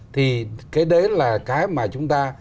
thì cái đấy là cái mà chúng ta